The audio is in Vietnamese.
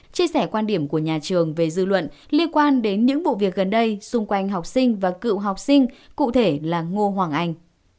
chia sẻ quan điểm của nhà trường về dư luận liên quan đến những vụ việc gần đây xung quanh học sinh và cựu học sinh cụ thể là ngô hoàng anh